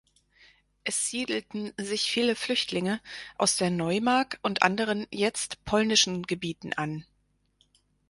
Es siedelten sich viele Flüchtlinge aus der Neumark und anderen jetzt polnischen Gebieten an.